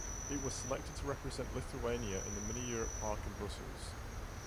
It was selected to represent Lithuania in the Mini-Europe Park in Brussels.